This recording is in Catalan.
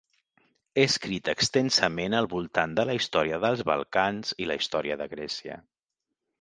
Ha escrit extensament al voltant de la història dels Balcans i la història de Grècia.